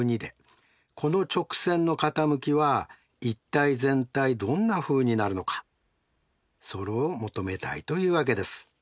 この直線の傾きは一体全体どんなふうになるのかそれを求めたいというわけです。